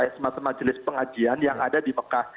semacam majelis pengajian yang ada di mekah